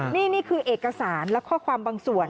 นี่คือเอกสารและข้อความบางส่วน